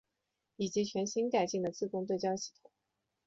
以及全新改进的自动对焦系统。